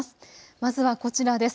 まずはこちらです。